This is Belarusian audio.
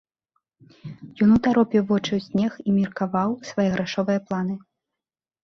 Ён утаропіў вочы ў снег і меркаваў свае грашовыя планы.